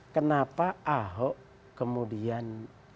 kenapa ahok kemudian